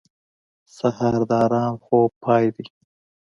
سهار د ارام خوب پای دی.